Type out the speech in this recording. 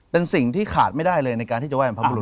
เป็นสิ่งที่ขาดไม่ได้เลยในการที่จะไห้บรรพบุรุษ